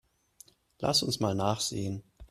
Lass uns mal nachsehen.